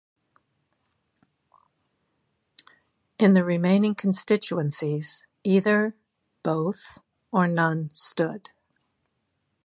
In the remaining constituencies either both or none stood.